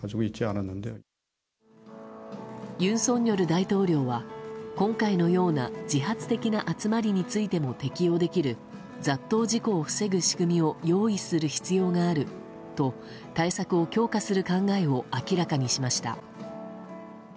尹錫悦大統領は、今回のような自発的な集まりについても適用できる雑踏事故を防ぐ仕組みを用意する必要があると対策を強化する考えを明らかにしました。